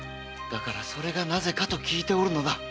だからそれがなぜかと聞いておるのだ。